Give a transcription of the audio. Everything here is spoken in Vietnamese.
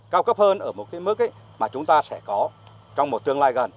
cao cấp hơn ở một cái mức mà chúng ta sẽ có trong một tương lai gần